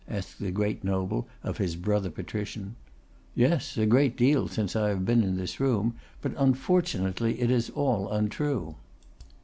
asked the great noble of his brother patrician. 'Yes, a great deal since I have been in this room; but unfortunately it is all untrue.